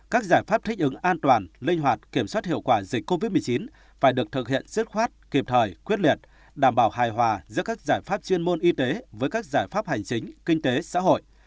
các giải pháp thích ứng an toàn linh hoạt kiểm soát hiệu quả dịch covid một mươi chín phải được thực hiện dứt khoát kịp thời quyết liệt đảm bảo hài hòa giữa các giải pháp chuyên môn y tế với các giải pháp hành chính kinh tế xã hội